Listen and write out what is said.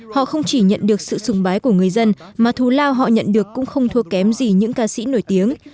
họ không chỉ nhận được sự sùng bái của người dân mà thù lao họ nhận được cũng không thua kém gì những ca sĩ nổi tiếng